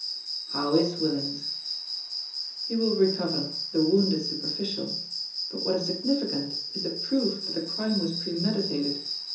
"How is Willings?" "He will recover; the wound is superficial, but what is significant is the proof that the crime was premeditated.